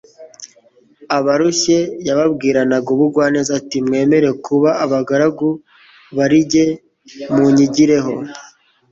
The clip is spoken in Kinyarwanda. Abarushye, yababwiranaga ubugwaneza ati : «Mwemere kuba abagaragu barijye, munyigireho,